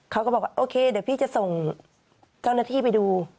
เขาก็บอกว่าโอเคเดี๋ยวพี่จะส่งเจ้าหน้าที่ไปดู